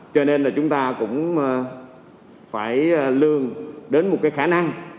cho nên là chúng ta cũng phải lương đến một cái khả năng